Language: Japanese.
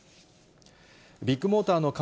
ビッグモーターの兼